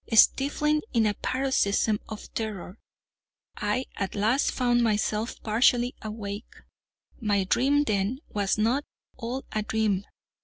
Stifling in a paroxysm of terror, I at last found myself partially awake. My dream, then, was not all a dream.